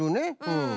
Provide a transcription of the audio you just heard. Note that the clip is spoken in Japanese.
うん。